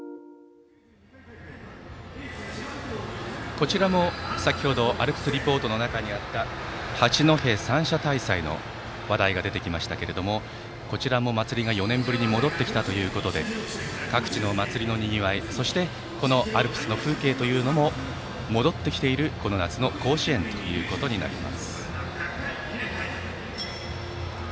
こちらも先程アルプスリポートの中にあった八戸三社大祭の話題が出てきましたがこちらも祭りが４年ぶりに戻ってきたということで各地の祭りのにぎわいそして、アルプスの風景も戻ってきているこの夏の甲子園となります。